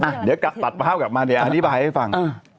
อ่ะเดี๋ยวตัดภาพกลับมาเดี๋ยวอธิบายให้ฟัง